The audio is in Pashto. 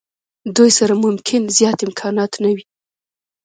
دوی سره ممکن زیات امکانات نه وي.